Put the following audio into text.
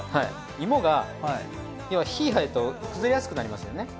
いもが火入ると崩れやすくなりますよね。